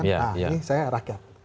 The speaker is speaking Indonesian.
nah ini saya rakyat